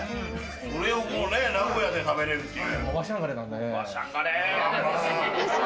これを名古屋で食べれるっていう。